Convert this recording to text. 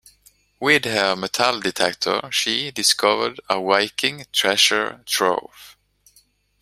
With her metal detector she discovered a Viking treasure trove.